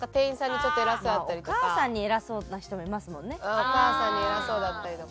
お母さんに偉そうだったりとか。